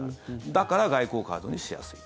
だから外交カードにしやすい。